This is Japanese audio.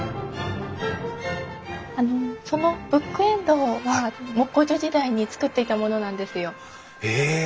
あのそのブックエンドは木工所時代に作っていたものなんですよ。へえ！